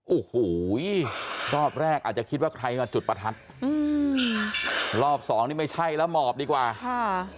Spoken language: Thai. โอ้โหรอบแรกอาจจะคิดว่าใครมาจุดประทัดอืมรอบสองนี่ไม่ใช่แล้วหมอบดีกว่าค่ะ